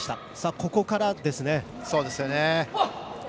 ここからですね。